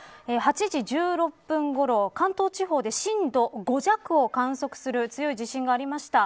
８時１６分ごろ、関東地方で震度５弱を観測する強い地震がありました。